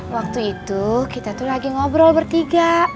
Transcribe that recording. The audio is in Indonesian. waktu itu kita tuh lagi ngobrol bertiga